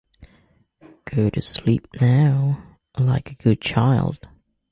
Go to sleep now like a good child.